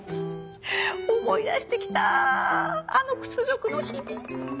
思い出してきたあの屈辱の日々。